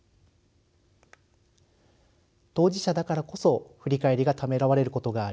当事者だからこそ振り返りがためらわれることがあり